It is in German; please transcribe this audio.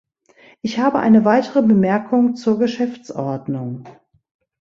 Ich habe eine weitere Bemerkung zur Geschäftsordnung.